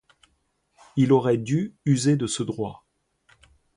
Il aurait dû user de ce droit.